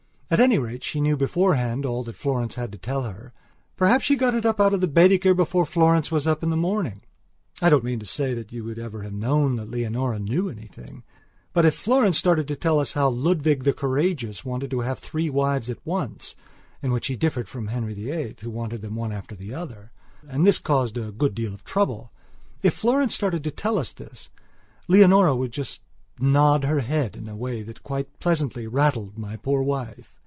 At any rate, she knew beforehand all that Florence had to tell her. Perhaps she got it up out of Baedeker before Florence was up in the morning. I don't mean to say that you would ever have known that Leonora knew anything, but if Florence started to tell us how Ludwig the Courageous wanted to have three wives at oncein which he differed from Henry VIII, who wanted them one after the other, and this caused a good deal of troubleif Florence started to tell us this, Leonora would just nod her head in a way that quite pleasantly rattled my poor wife.